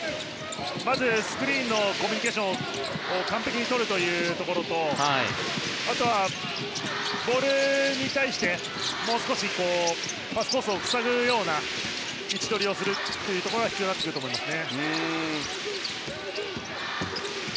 まず、スクリーンのコミュニケーションを完璧にとるところとあとは、ボールに対してもう少しパスコースを塞ぐような位置取りをすることが必要になります。